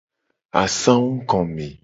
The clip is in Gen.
Asangugome.